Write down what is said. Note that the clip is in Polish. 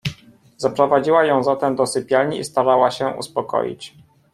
"Zaprowadziła ją zatem do sypialni i starała się uspokoić."